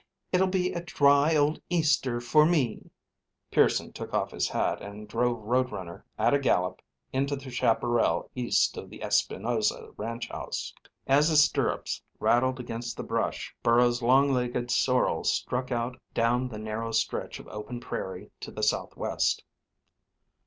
It'll be a dry old Easter for me!" Pearson took off his hat and drove Road Runner at a gallop into the chaparral east of the Espinosa ranch house. As his stirrups rattled against the brush Burrows's long legged sorrel struck out down the narrow stretch of open prairie to the southwest.